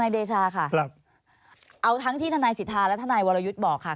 เดชาค่ะเอาทั้งที่ทนายสิทธาและทนายวรยุทธ์บอกค่ะ